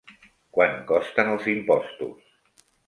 Quant costen els impostos?